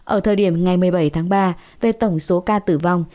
ở thời điểm ngày một mươi bảy tháng ba về tổng số ca tử vong